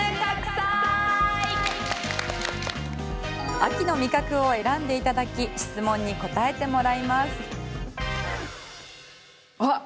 秋の味覚を選んでいただき質問に答えてもらいます。